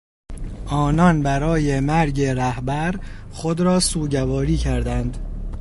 آنان برای مرگ رهبر خود را سوگواری کردند.